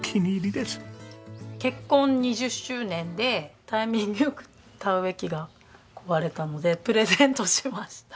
結婚２０周年でタイミング良く田植機が壊れたのでプレゼントしました。